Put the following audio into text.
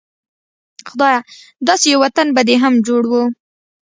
خدايه داسې يو وطن به دې هم جوړ و